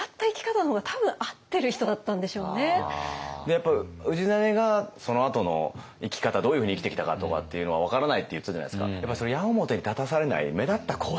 やっぱ氏真がそのあとの生き方どういうふうに生きてきたかとかっていうのは分からないって言ってたじゃないですか。